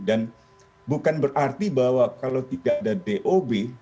dan bukan berarti bahwa kalau tidak ada dob